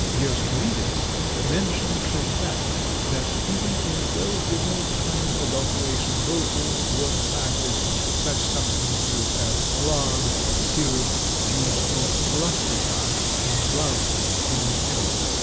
Dioscorides mentions the fact that even in those remote times adulteration of opium was practiced, such substances as lard, syrup, juice of lactuca, and glaucium being added.